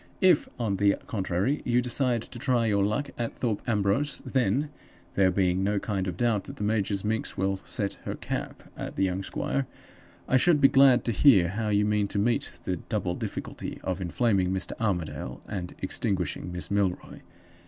If, on the contrary, you decide to try your luck at Thorpe Ambrose, then (there being no kind of doubt that the major's minx will set her cap at the young squire) I should be glad to hear how you mean to meet the double difficulty of inflaming Mr. Armadale and extinguishing Miss Milroy.